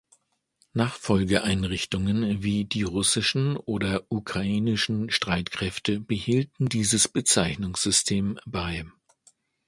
Nachfolgeeinrichtungen wie die russischen oder ukrainischen Streitkräfte behielten dieses Bezeichnungssystem bei.